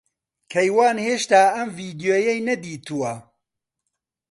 کەیوان ھێشتا ئەم ڤیدیۆیەی نەدیتووە.